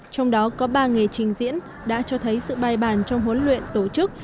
trong đó có ba nghề trình diễn đã cho thấy sự bài bàn trong huấn luyện tổ chức